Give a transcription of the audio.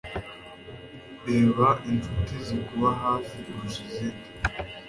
Reba inshuti zikuba hafi kurusha izindi